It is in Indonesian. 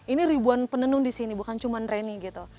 ini ribuan penenung disini bukan cuma reni gitu